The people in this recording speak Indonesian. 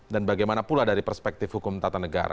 dan bagaimana pula dari perspektif hukum tata negara